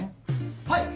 はい！